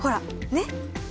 ねっ！